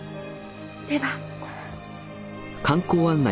では。